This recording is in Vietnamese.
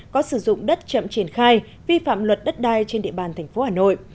có sử dụng đất chậm triển khai vi phạm luật đất đai trên địa bàn tp hà nội